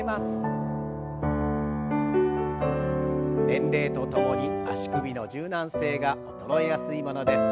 年齢とともに足首の柔軟性が衰えやすいものです。